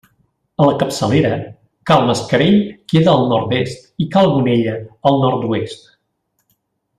A la capçalera, Cal Mascarell queda al nord-est i Cal Gonella al nord-oest.